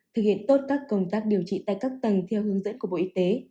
thực hiện tốt các công tác điều trị tại các tầng theo hướng dẫn của bộ y tế